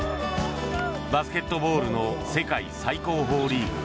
バスケットボールの世界最高峰リーグ